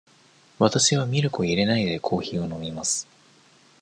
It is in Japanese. わたしはミルクを入れないで、コーヒーを飲みます。